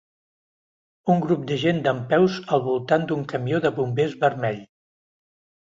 Un grup de gent dempeus al voltant d'un camió de bombers vermell.